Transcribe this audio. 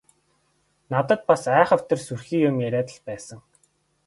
Надад бас айхавтар сүрхий юм яриад л байсан.